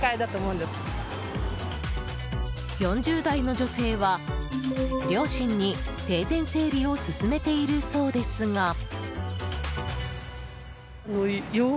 ４０代の女性は両親に、生前整理を勧めているそうですが。